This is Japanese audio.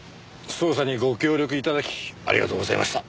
捜査にご協力頂きありがとうございました。